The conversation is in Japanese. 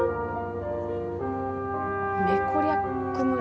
メコリャック村。